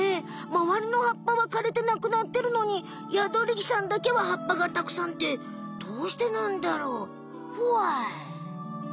まわりのはっぱはかれてなくなってるのにヤドリギさんだけははっぱがたくさんってどうしてなんだろう？ホワイ？